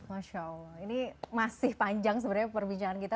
masya allah ini masih panjang sebenarnya perbincangan kita